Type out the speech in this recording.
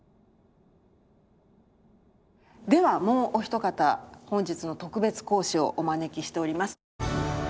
ではもうお一方本日の特別講師をお招きしております。